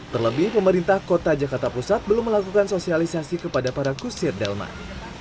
terlebih pemerintah kota jakarta pusat belum melakukan sosialisasi kepada para kusir delman